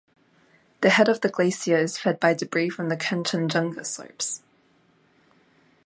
The head of the glacier is fed by debris from the Kanchenjunga slopes.